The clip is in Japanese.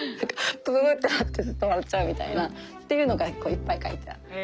プププってなってずっと笑っちゃうみたいなというのがいっぱい書いてある。